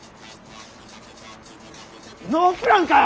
ノープランかよ！